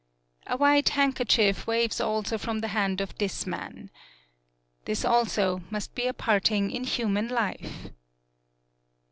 A white handkerchief waves also from the hand of this man. This also must be a parting in human life.